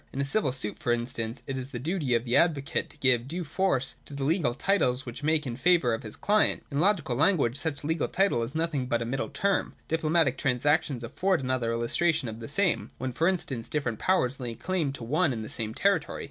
In a civil suit, for instance, it is the duty of the advocate to give due force to the legal titles which make in favour of his client. In logical language, such a legal title is nothing but a middle term. Diplomatic transactions afford another illustration of the same, when, for instance, different powers lay claim to one and the same territory.